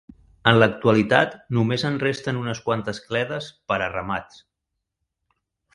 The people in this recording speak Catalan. En l'actualitat només en resten unes quantes cledes per a ramats.